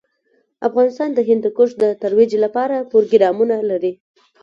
افغانستان د هندوکش د ترویج لپاره پروګرامونه لري.